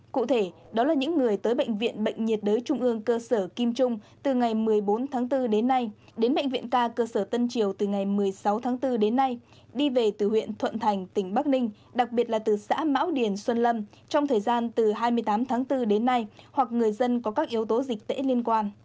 cụ thể đó là những người tới bệnh viện bệnh nhiệt đới trung ương cơ sở kim trung từ ngày một mươi bốn tháng bốn đến nay đến bệnh viện ca cơ sở tân triều từ ngày một mươi sáu tháng bốn đến nay đi về từ huyện thuận thành tỉnh bắc ninh đặc biệt là từ xã mão điền xuân lâm trong thời gian từ hai mươi tám tháng bốn đến nay hoặc người dân có các yếu tố dịch tễ liên quan